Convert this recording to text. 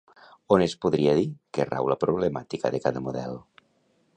On es podria dir que rau la problemàtica de cada model?